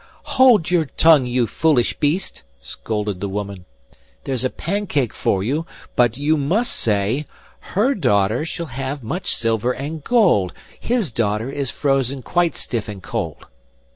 'Hold your tongue, you foolish beast!' scolded the woman. 'There's a pancake for you, but you must say: "HER daughter shall have much silver and gold; HIS daughter is frozen quite stiff and cold."